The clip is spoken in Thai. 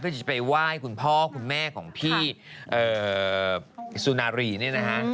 เพื่อจะไปไหว้คุณพ่อคุณแม่ของพี่สุนารีเนี่ยนะฮะ